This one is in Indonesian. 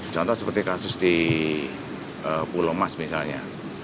contoh seperti kasus di pulau mas misalnya